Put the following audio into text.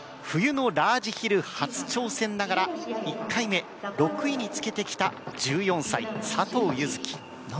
冬のラージヒル初挑戦ながら１回目、６位につけてきた１４歳、佐藤柚月。